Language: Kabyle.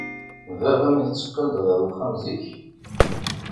Baba-m yetteqqal-d ɣer uxxam zik?